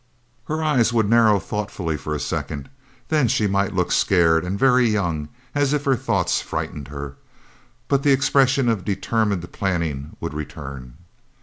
Her eyes would narrow thoughtfully for a second. Then she might look scared and very young, as if her thoughts frightened her. But the expression of determined planning would return.